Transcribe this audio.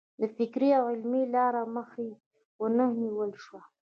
د فکري او علمي لار مخه یې ونه نیول شوه.